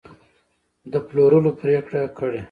د پلورلو پرېکړه کړې